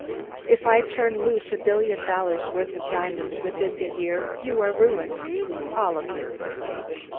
If I turn loose a billion dollars' worth of diamonds within the year you are ruined all of you.